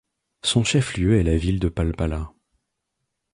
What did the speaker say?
Son chef-lieu est la ville de Palpalá.